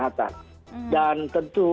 kementerian kesehatan dan tentu